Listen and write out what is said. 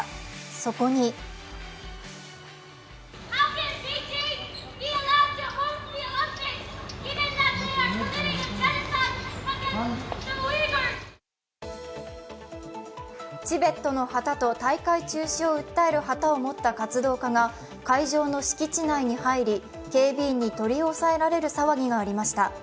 そこにチベットの旗と大会中止を訴える旗を持った活動家が会場の敷地内に入り、警備員に取り押さえられる騒ぎがありました。